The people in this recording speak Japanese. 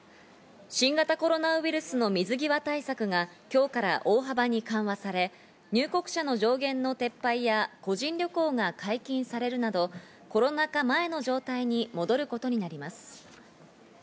新型コロナウイルスの水際対策が今日から大幅に緩和され、入国者の上限の撤廃や個人旅行が解禁されるなど、コロナ禍前の状態に戻ることになります。